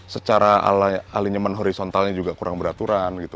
secara elenjemen horizontalnya juga kurang beraturan gitu